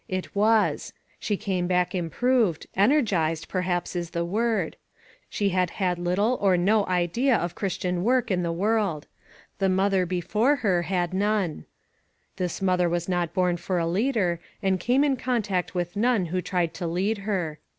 It was. She came back improved ; energized, per haps, is the word. She had had little, or no idea of Christian work in the world. The mother, before her, had none. This mother was not born for a leader, and came in contact with none who tried to lead her.